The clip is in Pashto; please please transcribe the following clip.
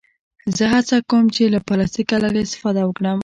زه هڅه کوم چې له پلاستيکه لږ استفاده وکړم.